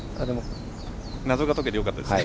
なぞが解けてよかったですね。